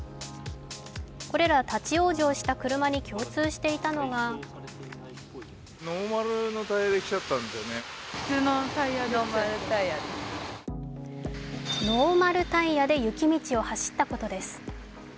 これら立往生した車に共通していたのがノーマルタイヤで雪道を走ったことです。